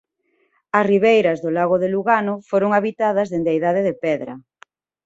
As ribeiras do Lago de Lugano foron habitadas dende a Idade de Pedra.